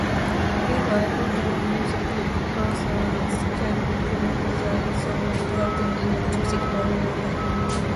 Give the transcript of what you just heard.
Meanwhile, Fawful imbues a weak Bowser with Cackletta's soul, resulting in the twisted Bowletta.